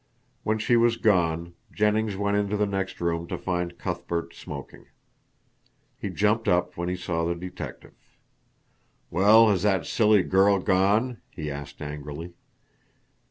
When she was gone, Jennings went into the next room to find Cuthbert smoking. He jumped up when he saw the detective. "Well, has that silly girl gone?" he asked angrily.